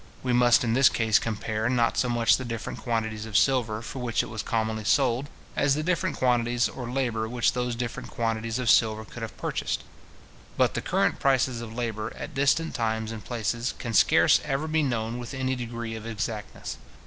We must in this case compare, not so much the different quantities of silver for which it was commonly sold, as the different quantities or labour which those different quantities of silver could have purchased. But the current prices of labour, at distant times and places, can scarce ever be known with any degree of exactness.